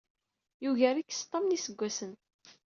Yugar-ik s tam n yiseggasen.